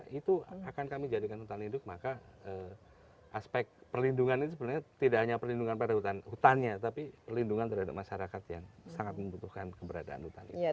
nah itu akan kami jadikan hutan induk maka aspek perlindungan itu sebenarnya tidak hanya perlindungan pada hutannya tapi perlindungan terhadap masyarakat yang sangat membutuhkan keberadaan hutan itu